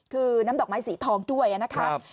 คือน้ำดอกไม้สีทองด้วยนะครับ